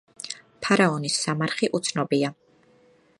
ფარაონის სამარხი უცნობია.